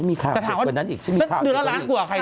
อ้าวมีข่าวเกิดกว่านั้นอีกแล้วก็อีกอืมแต่ถามว่าดูแล้วล้างกลัวใคร